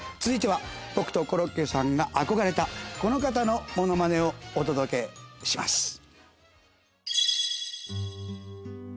続いては僕とコロッケさんが憧れたこの方のものまねをお届けします。